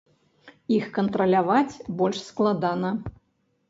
Іх кантраляваць больш складана.